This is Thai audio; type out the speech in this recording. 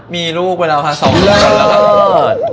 มีลูกไปแล้วค่ะ๒ปีก่อนแล้วค่ะ